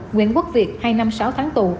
nguyễn quốc việt hai năm sáu tháng tù